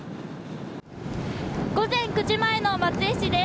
午前９時前の松江市です。